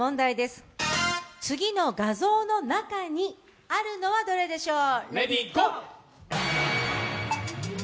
次の画像の中にあるのはどれでしょう？